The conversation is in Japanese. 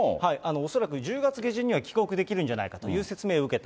恐らく１０月下旬には帰国できるんじゃないかという説明を受けた。